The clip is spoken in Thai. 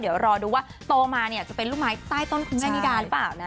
เดี๋ยวรอดูว่าโตมาเนี่ยจะเป็นลูกไม้ใต้ต้นคุณแม่นิดาหรือเปล่านะ